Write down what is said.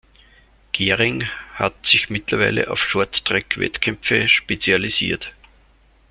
Gehring hat sich mittlerweile auf Shorttrack-Wettkämpfe spezialisiert.